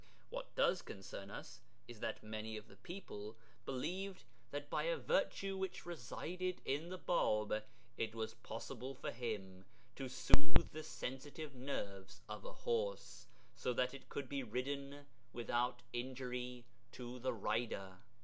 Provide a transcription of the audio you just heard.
What does concern us is that many of the people believed that by a virtue which resided in the Bāb it was possible for him to soothe the sensitive nerves of a horse, so that it could be ridden without injury to the rider.